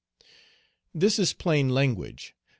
This is plain language.